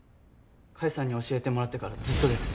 甲斐さんに教えてもらってからずっとです。